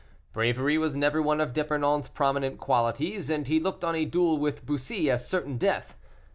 Bravery was never one of D'Epernon's prominent qualities, and he looked on a duel with Bussy as certain death.